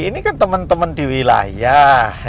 ini kan teman teman di wilayah